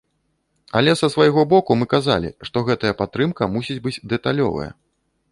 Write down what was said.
Але са свайго боку мы казалі, што гэтая падтрымка мусіць быць дэталёвая.